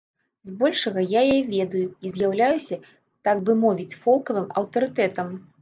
З большага я яе ведаю і з'яўляюся, так бы мовіць, фолкавым аўтарытэтам.